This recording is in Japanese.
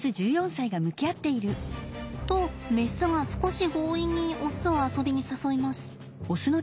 とメスが少し強引にオスを遊びに誘います。